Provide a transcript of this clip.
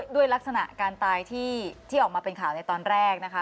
ด้วยลักษณะการตายที่ออกมาเป็นข่าวในตอนแรกนะคะ